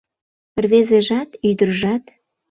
Рвезыжат, ӱдыржат